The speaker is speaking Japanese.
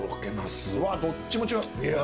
うわぁどっちも違う。